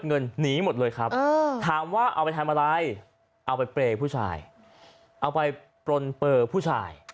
เงินหนีหมดเลยครับถามว่าเอาไปทำอะไรเอาไปเปรย์ผู้ชายเอาไปปลนเปอร์ผู้ชาย